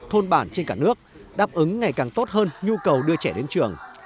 thôn bản trên cả nước đáp ứng ngày càng tốt hơn nhu cầu đưa trẻ đến trường